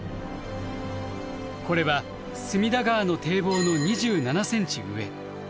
これは隅田川の堤防の２７ｃｍ上。